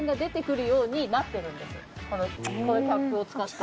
このキャップを使って。